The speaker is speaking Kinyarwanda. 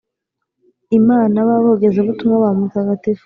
Imana b Abogezabutumwa ba Mutagatifu